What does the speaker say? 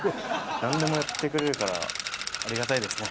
何でもやってくれるからありがたいですね。